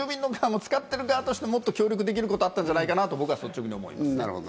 使ってる側として、もっと協力できることがあったんじゃないかなと僕は率直に思います。